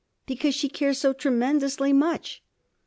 'Because she cares so tremendously much.'